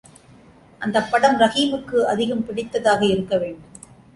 அந்தப் படம் ரஹீமுக்கு அதிகம் பிடித்ததாக இருக்க வேண்டும்.